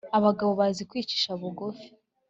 abagabo bazi kwicisha bugufi